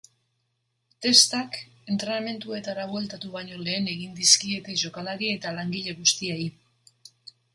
Testak entrenamenduetara bueltatu baino lehen egin dizkiete jokalari eta langile guztiei.